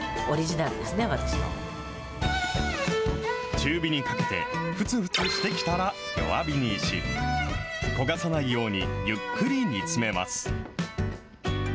中火にかけてふつふつしてきたら弱火にし、焦がさないようにゆっくり煮詰めます。